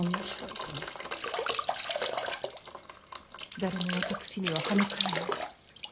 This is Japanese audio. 誰も私には刃向かえない。